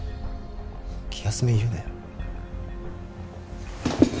気休め言うなよ。